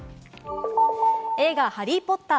映画『ハリー・ポッター』